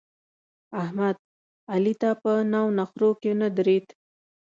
احمد؛ علي ته په نو نخرو کې نه درېد.